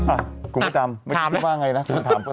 อ่ะคุณไม่จำไม่จำว่าไงนะถามคุณนี่ว่าอะไร